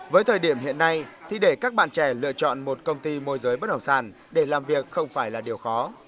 với thời điểm hiện nay thì để các bạn trẻ lựa chọn một công ty môi giới bất động sản để làm việc không phải là điều khó